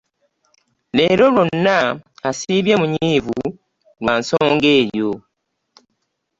Leero lwonna asiibye munyiivu lwa nsonga eyo.